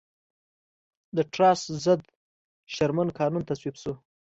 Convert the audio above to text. د ټراست ضد شرمن قانون تصویب شو.